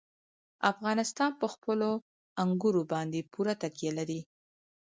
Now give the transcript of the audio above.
افغانستان په خپلو انګورو باندې پوره تکیه لري.